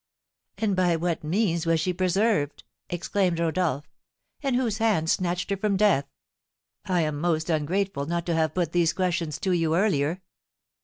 "And by what means was she preserved?" exclaimed Rodolph; "and whose hand snatched her from death? I am most ungrateful not to have put these questions to you earlier."